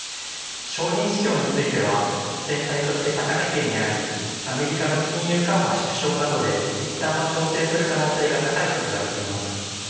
商品市況については、全体として高値圏とありアメリカの金融緩和縮小でいったんは調整する可能性が高いとしています。